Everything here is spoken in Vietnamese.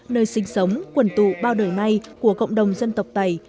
nơi sinh sống quần tù bao đời nay của cộng đồng dân tộc tây